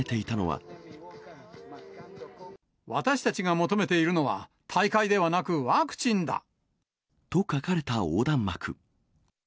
私たちが求めているのは、大会ではなくワクチンだ。と書かれた横断幕。